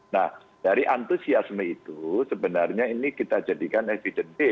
nah dari antusiasme itu sebenarnya ini kita jadikan evidence